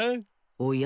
おや？